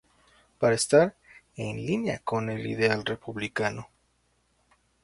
Para estar "en línea con el ideal republicano".